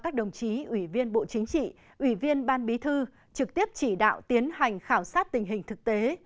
các đồng chí ủy viên bộ chính trị ủy viên ban bí thư trực tiếp chỉ đạo tiến hành khảo sát tình hình thực tế